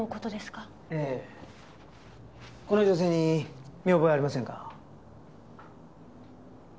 この女性に見覚えありませんか？